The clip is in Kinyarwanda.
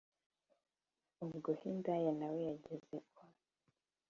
ubwo hidaya nawe yageze kwa